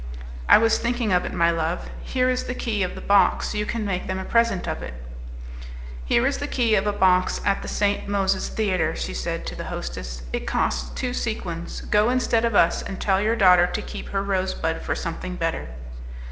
"I was thinking of it, my love. Here is the key of the box, you can make them a present of it." "Here is the key of a box at the St. Moses Theatre," she said to the hostess; "it costs two sequins; go instead of us, and tell your daughter to keep her rose bud for something better."